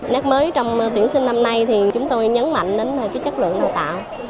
nét mới trong tuyển sinh năm nay thì chúng tôi nhấn mạnh đến chất lượng đào tạo